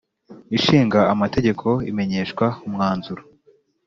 Ishinga Amategeko imenyeshwa umwanzuro